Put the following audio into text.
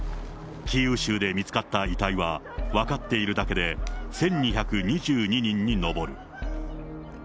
キーウ州で見つかった遺体は分かっているだけで１２２２人に上る。